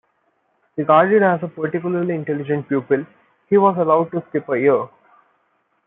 Regarded as a particularly intelligent pupil, he was allowed to skip a year.